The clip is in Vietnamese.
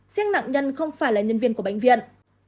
giang nặng nhân không phải là nhân viên của bệnh viện